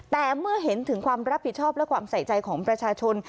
แต่เมื่อเห็นถึงความรับผิดชอบและความใส่ใจของประชาชน